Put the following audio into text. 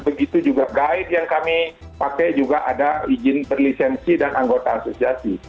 begitu juga guide yang kami pakai juga ada izin perlisensi dan anggota asosiasi